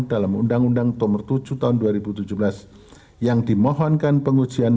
dalam undang undang nomor tujuh tahun dua ribu tujuh belas yang dimohonkan pengujian